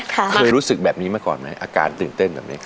เคยรู้สึกแบบนี้มาก่อนไหมอาการตื่นเต้นแบบนี้